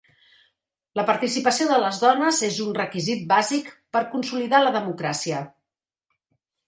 La participació de les dones és un requisit bàsic per consolidar la democràcia.